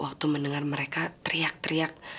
waktu mendengar mereka teriak teriak